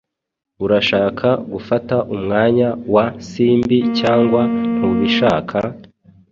Urashaka gufata umwanya wa Simbi cyangwa ntubishaka?